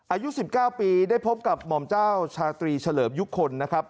อายุ๑๙ปีได้พบกับหม่อมเจ้าชาตรีเฉลิมยุคคลนะครับ